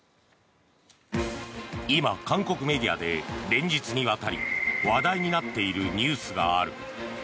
今、韓国メディアで連日にわたり話題になっているニュースがある。